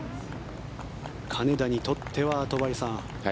金田にとっては戸張さん